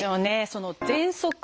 その「ぜんそく」。